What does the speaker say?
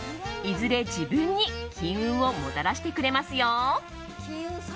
いずれ自分に金運をもたらしてくれますよ。